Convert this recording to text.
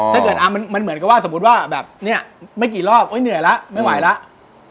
ถ้าเกิดมันเหมือนกับว่าสมมุติว่าแบบเนี่ยไม่กี่รอบเหนื่อยแล้วไม่ไหวแล้ว